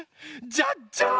じゃじゃん！